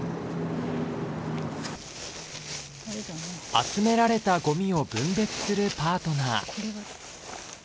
集められたゴミを分別するパートナー。